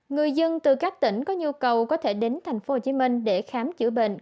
người dân từ các tỉnh có nhu cầu có thể đến tp hcm để khám chữa bệnh